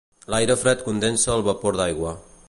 L'aire fred condensa el vapor d'aigua.